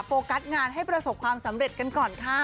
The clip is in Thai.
โฟกัสงานให้ประสบความสำเร็จกันก่อนค่ะ